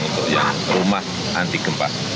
untuk yang rumah anti gempa